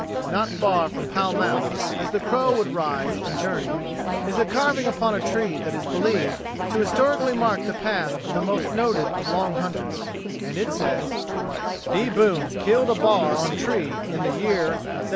Not far from Pall Mall, as the crow would rise and journey, is a carving upon a tree that is believed, to historically mark the path of the most noted of the "Long Hunters," and it says: "D Boon CillED a BAR On Tree in ThE yEAR 1760."